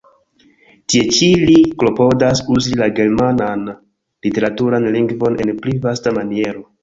Tie ĉi li klopodas uzi la germanan literaturan lingvon en pli vasta maniero.